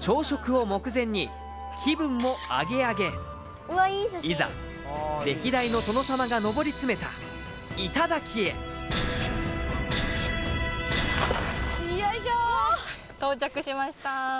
朝食を目前に気分もアゲアゲいざ歴代の殿様がのぼり詰めた頂へよいしょ到着しました